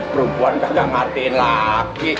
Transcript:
perempuan kagak ngertiin laki